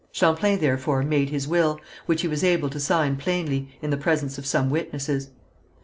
Champlain, therefore, made his will, which he was able to sign plainly, in the presence of some witnesses.